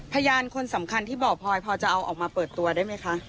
พยานคนสำคัญที่บอกพลอยพอจะเอาออกมาเปิดตัวได้ไหมคะ